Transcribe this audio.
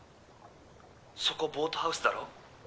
そこボートハウスだろ？